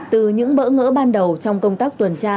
từ những bỡ ngỡ ban đầu trong công tác tuần tra